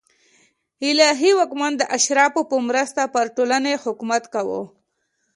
الهي واکمن د اشرافو په مرسته پر ټولنې حکومت کاوه